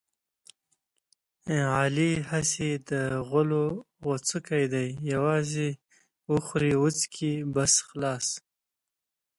علي هسې د غولو غوڅکی دی یووازې وخوري وچکي بس خلاص.